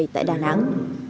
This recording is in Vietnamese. tại đà nẵng